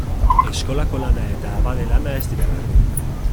Eskolako lana eta abade lana ez dira berdin.